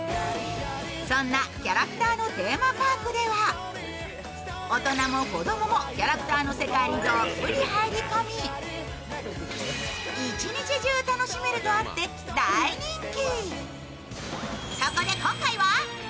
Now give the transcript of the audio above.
そんなキャラクターのテーマパークでは大人も子どももキャラクターの世界にどっぷりと入り込み一日中楽しめるとあって大人気。